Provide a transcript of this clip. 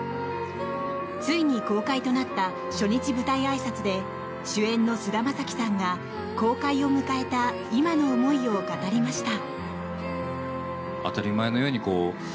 ついに公開となった初日舞台あいさつで主演の菅田将暉さんが公開を迎えた今の思いを語りました。